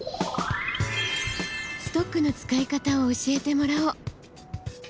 ストックの使い方を教えてもらおう。